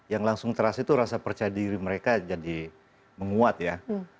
yang langsung trust itu rasa percaya diri mereka jadi menguat ya